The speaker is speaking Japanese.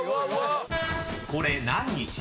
［これ何日？］